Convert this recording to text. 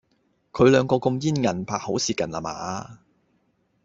佢兩個咁煙韌，怕好事近啦嗎？